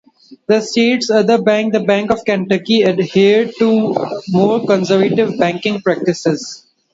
The state's other bank, the Bank of Kentucky, adhered to more conservative banking practices.